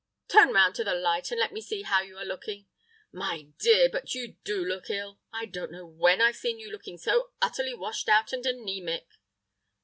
Turn round to the light, and let me see how you are looking. My dear! but you do look ill!! I don't know when I've seen you look so utterly washed out and anæmic....